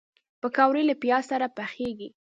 پکورې له پیاز سره پخېږي